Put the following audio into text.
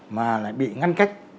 mà lại bị ngăn cách